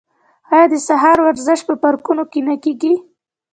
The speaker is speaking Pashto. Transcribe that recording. آیا د سهار ورزش په پارکونو کې نه کیږي؟